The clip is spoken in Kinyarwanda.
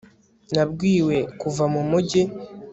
nabwiwe kuva mu mujyi